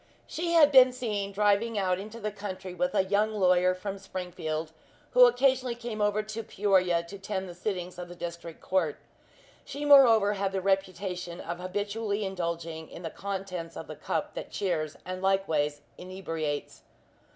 She had been seen driving out into the country with a young lawyer from Springfield, who occasionally came over to Peoria to attend the sittings of the District Court. She moreover had the reputation of habitually indulging in the contents of the cup that cheers and likewise inebriates.